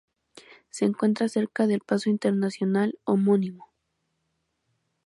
Se encuentra cerca del paso internacional homónimo.